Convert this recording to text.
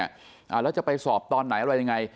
อ่าแล้วจะไปสอบตอนไหนอะไรยังไง